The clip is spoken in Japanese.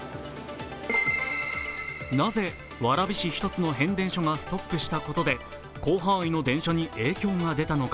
なぜ、蕨市一つの変電所がストップしたことで広範囲の電車に影響が出たのか。